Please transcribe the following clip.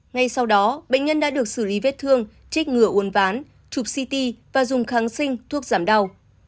ngay sau đó bệnh nhân đã được xử lý vết thương trích ngừa uốn ván chụp ct và dùng kháng sinh thuốc giảm đau